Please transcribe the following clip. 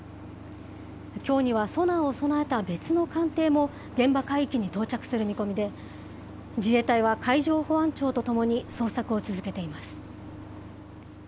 きょうにはソナーを備えた別の艦艇も現場海域に到着する見込みで、自衛隊は海上保安庁とともに捜索を続けています。